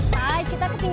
anderes takie juga